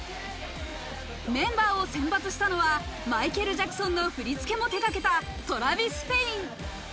メンバーを選抜したのはマイケル・ジャクソンの振り付けも手がけたトラヴィス・ペイン。